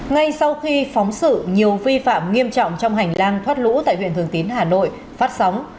ngay sau khi phóng sự nhiều vi phạm nghiêm trọng trong hành lang thoát lũ tại huyện thường tín hà nội phát sóng